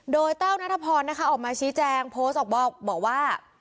โดยแต้วนัทพรนะคะออกมาชี้แจงโพสต์ออกบอกว่า